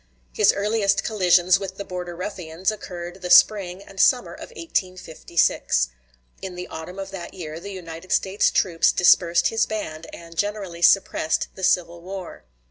His earliest collisions with the Border Ruffians occurred the spring and summer of 1856. In the autumn of that year the United States troops dispersed his band, and generally suppressed the civil war.